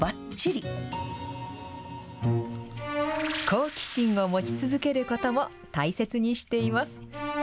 好奇心を持ち続けることも大切にしています。